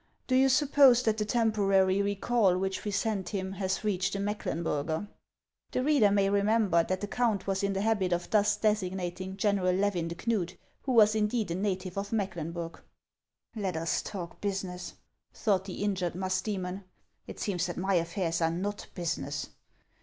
Do you suppose that the temporary recall which we sent him has reached the Mecklenburger ?" The reader may remember that the count was in the 228 HANS OF ICELAND. habit of thus designating General Levin de Knud, who was indeed a native of Mecklenburg. " Let us talk business !" thought the injured Mus du3inon ;" it seems that my affairs are not ' business.'